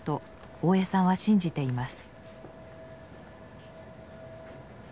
大江さんは信じています。